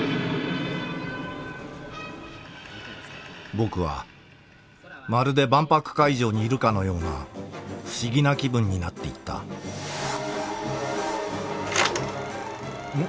僕はまるで万博会場にいるかのような不思議な気分になっていったうん？